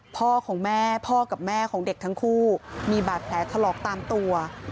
พ่อของแม่พ่อกับแม่ของเด็กทั้งคู่มีบาดแผลถลอกตามตัว